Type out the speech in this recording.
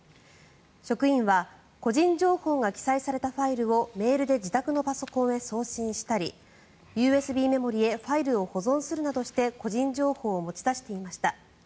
職員は個人情報が記載されたファイルをメールで自宅のパソコンへ送信したりＵＳＢメモリーへファイルを保存するなどして個人情報を持ち出していました。